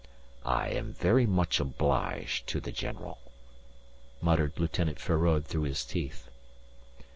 "I am very much obliged to the general," muttered Lieutenant Feraud through his teeth.